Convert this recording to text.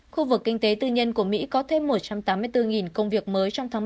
khu vực kinh tế tư nhân của mỹ có thêm một trăm tám mươi bốn công việc mới trong tháng một